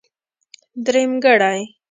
درېمګړی.